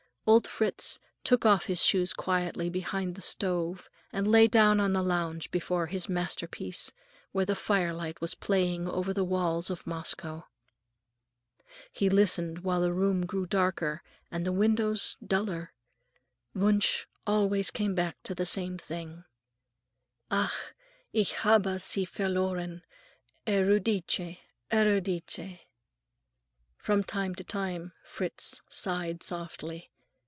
Old Fritz took off his shoes quietly behind the stove and lay down on the lounge before his masterpiece, where the firelight was playing over the walls of Moscow. He listened, while the room grew darker and the windows duller. Wunsch always came back to the same thing:— "Ach, ich habe sie verloren, ... Euridice, Euridice!" From time to time Fritz sighed softly.